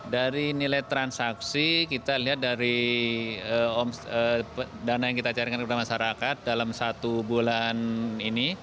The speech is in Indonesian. dari nilai transaksi kita lihat dari dana yang kita carikan kepada masyarakat dalam satu bulan ini